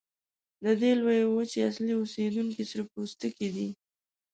د دې لویې وچې اصلي اوسیدونکي سره پوستکي دي.